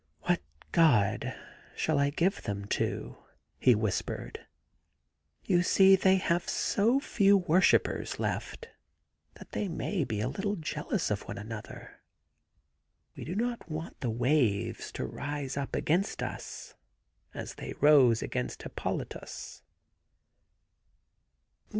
*What god shall I give them to?' he whispered. * You see they have so few worshippers lefl that they may be a little jealous of one another. We do not 85 THE GARDEN GOD want the waves to rise up against us as they rose against Hippolytus.'